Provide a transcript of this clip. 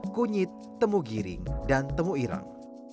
kunyit temugiring dan temuirang